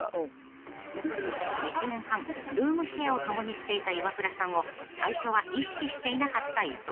［１年半ルームシェアを共にしていたイワクラさんを最初は意識していなかった伊藤さん］